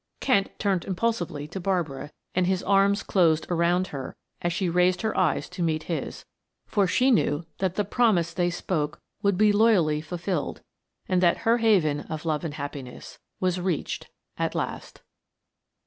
Kent turned impulsively to Barbara, and his arms closed around her as she raised her eyes to meet his, for she knew that the promise they spoke would be loyally fulfilled, and that her haven of love and happiness was reached at last.